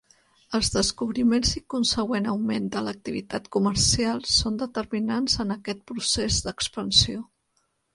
Els descobriments i consegüent augment de l'activitat comercial són determinants en aquest procés d'expansió.